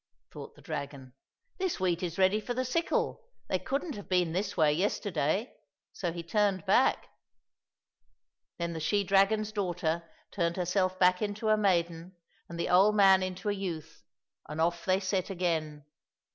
" thought the dragon, " this wheat is ready for the sickle, they couldn't have been this way yesterday," so he turned back. Then the she dragon's daughter turned her self back into a maiden and the old man into a youth, and off they set again.